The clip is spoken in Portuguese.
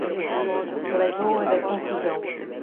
Lagoa da Confusão